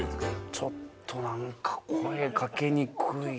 ちょっとなんか声かけにくい。